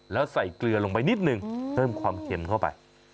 แล้วใส่เกลือลงไปนิดนึงเพิ่มความเค็มเข้าไป